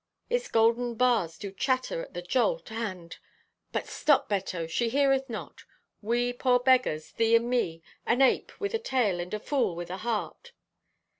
Its golden bars do clatter at the jolt, and—but stop, Beppo, she heareth not! We, poor beggars, thee and me—an ape with a tail and a fool with a heart!